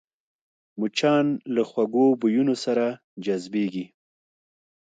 مچان له خوږو بویونو سره جذبېږي